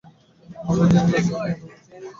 আমরা জিনের আসল ক্ষমতা উন্মোচন করছি।